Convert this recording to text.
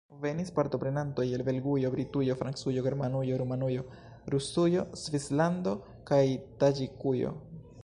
Venis partoprenantoj el Belgujo, Britujo, Francujo, Germanujo, Rumanujo, Rusujo, Svislando kaj Taĝikujo.